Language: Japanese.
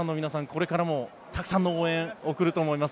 これからもたくさんの声援を送ると思います。